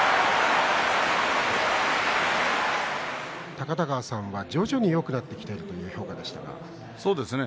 高田川さんは徐々によくなっているという評価そうですね。